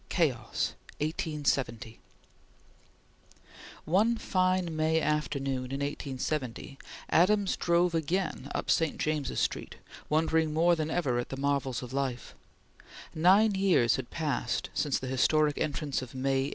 CHAPTER XIX CHAOS (1870) ONE fine May afternoon in 1870 Adams drove again up St. James's Street wondering more than ever at the marvels of life. Nine years had passed since the historic entrance of May, 1861.